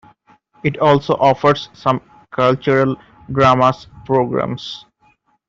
It also offers some cultural dramas programmes.